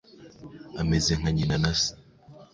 Ameze nka nyina na se.